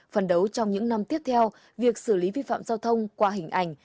phần đấu trong những năm tiếp theo việc xử lý vi phạm giao thông qua hình ảnh